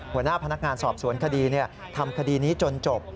หัวหน้าพนักงานสอบสวนคดีทำคดีนี้จนจบ